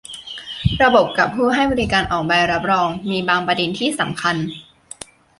ระบบกับผู้ให้บริการออกใบรับรอง มีบางประเด็นที่สำคัญ